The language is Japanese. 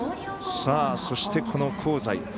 そして、この香西。